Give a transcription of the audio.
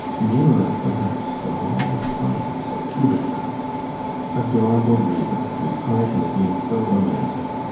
nearer, perhaps, than all the science of Tübingen. Adorable dreamer, whose heart has been so romantic!